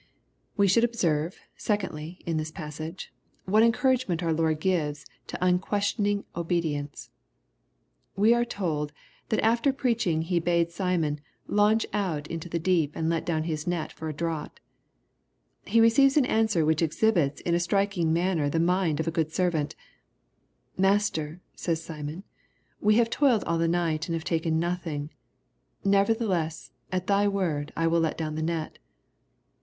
We should observe, secondly, in this passage, what encouragement our Lord gives to unquestioning obedi ence. We are told, that after preaching He bade Simon *' launch out into the deep and let down his net for a draught/^ He receives an answer which exhibits in a striking manner the mind of a good servant " Master," says Simon, we have toiled all the night and have taken nothing : nevertheless, at thy word I will let down the net."